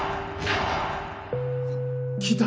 聞いた？